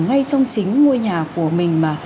ngay trong chính ngôi nhà của mình mà